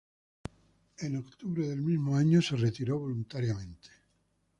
En octubre del mismo año se retiró voluntariamente.